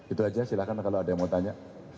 itu saja silakan kalau ada yang mau tanya